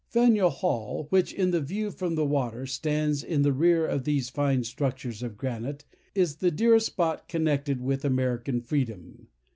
Faneuil Hall, which in the view from the water stands in the rear of these fine structures of granite, is the dearest spot connected with American freedom.